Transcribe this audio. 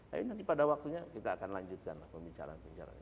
tapi nanti pada waktunya kita akan lanjutkan pembicaraan pembicaraan